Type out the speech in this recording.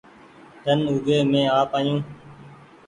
ۮن اوڳي مينٚ آپ آيو